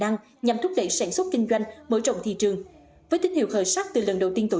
năng nhằm thúc đẩy sản xuất kinh doanh mở rộng thị trường với tín hiệu khởi sắc từ lần đầu tiên tổ